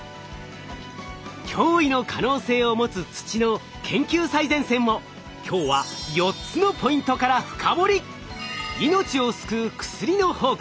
驚異の可能性を持つ土の研究最前線を今日は４つのポイントから深掘り。